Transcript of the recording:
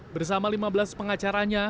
bersama lima belas pengacaranya